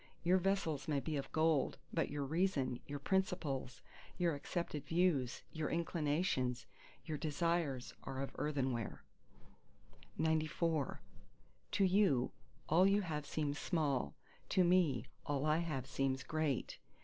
your vessels may be of gold, but your reason, your principles, your accepted views, your inclinations, your desires are of earthenware. XCV To you, all you have seems small: to me, all I have seems great.